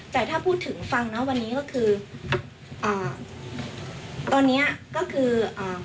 แต่ถ้าพูดถึงฟังนะวันนี้ก็คืออ่าตอนเนี้ยก็คืออ่า